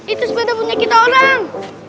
itu sepeda punya kita orang